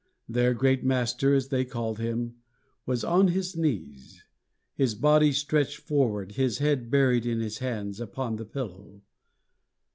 Their great master, as they called him, was on his knees, his body stretched forward, his head buried in his hands upon the pillow.